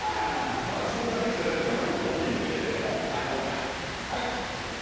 まだ消化できていないですからね。